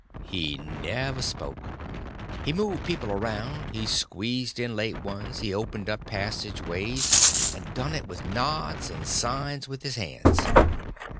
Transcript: He never spoke; he moved people around, he squeezed in late ones, he opened up passageways, and done it with nods, and signs with his hands.